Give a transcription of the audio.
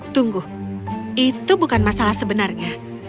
tunggu itu bukan masalah sebenarnya